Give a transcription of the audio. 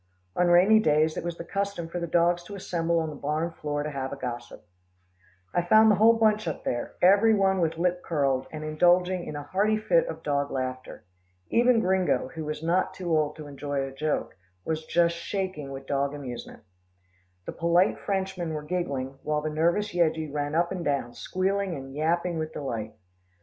On rainy days, it was the custom for the dogs to assemble on the barn floor to have a gossip. I found the whole bunch up there, every one with lip curled, and indulging in a hearty fit of dog laughter. Even Gringo, who was not too old to enjoy a joke, was just shaking with dog amusement. The polite Frenchmen were giggling, while the nervous Yeggie ran up and down, squealing and yapping with delight.